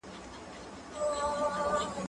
زه پرون پاکوالي ساتم وم!؟